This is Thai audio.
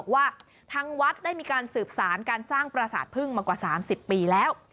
ว่าทางวัดได้มีการสืบสารการสร้างประสาทพึ่งมากว่า๓๐ปีแล้ว